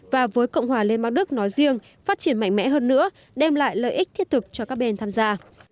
và với cộng hòa liên bang đức nói riêng phát triển mạnh mẽ hơn nữa đem lại lợi ích thiết thực cho các bên tham gia